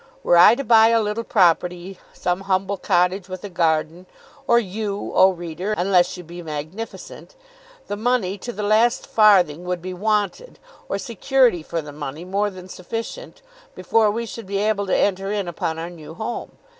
Were I to buy a little property, some humble cottage with a garden, or you, O reader, unless you be magnificent, the money to the last farthing would be wanted, or security for the money more than sufficient, before we should be able to enter in upon our new home.